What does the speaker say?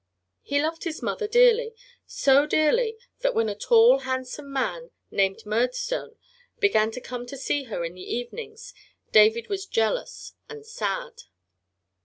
He loved his mother dearly so dearly that when a tall, handsome man named Murdstone began to come to see her in the evenings David was jealous and sad.